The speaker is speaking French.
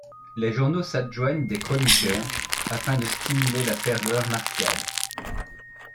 Les journaux s'adjoignent des chroniqueurs afin de stimuler la ferveur martiale.